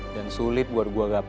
dan sulit buat gue gapai